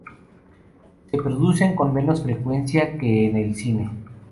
Se producen con menos frecuencia que en el cine.